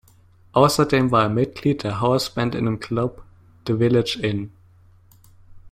Außerdem war er Mitglied der Hausband in dem Club "The Village Inn".